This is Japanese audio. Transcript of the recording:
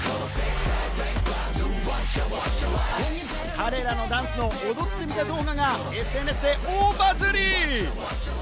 彼らのダンスの踊ってみた動画がＳＮＳで大バズリ！